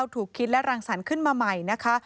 ถูกคิดและรังสรรค์ขึ้นมาใหม่นะคะ